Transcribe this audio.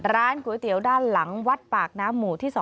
ร้านก๋วยเตี๋ยวด้านหลังวัดปากน้ำหมู่ที่๒